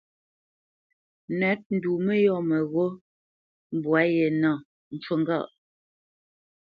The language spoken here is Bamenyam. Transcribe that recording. Nə̂t ndu mə́yɔ̂ mə́ghó mbwâ ye nâ, ncu ŋgâʼ.